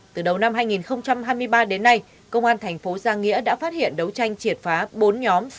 từ đầu năm hai nghìn hai mươi ba đến nay công an thành phố giang nghĩa đã phát hiện đấu tranh triệt phá bốn nhóm